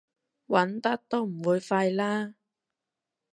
揾得都唔會廢啦